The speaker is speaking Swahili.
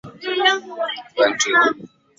wafanyakazi wako wawili ni waigizaji wa sauti